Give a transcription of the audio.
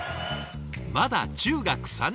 まだ中学３年生。